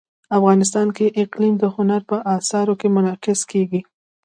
افغانستان کې اقلیم د هنر په اثار کې منعکس کېږي.